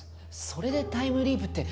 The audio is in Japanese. それでタイムリープって。